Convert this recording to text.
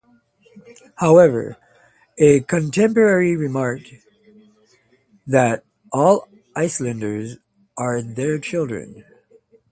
However, a contemporary remarked that "all Icelanders are their children".